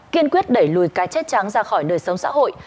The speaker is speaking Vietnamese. kiên quyết đẩy lùi cái chết trắng ra khỏi đời sống xã hội